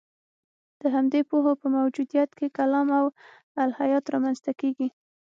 د همدې پوهو په موجودیت کې کلام او الهیات رامنځته کېږي.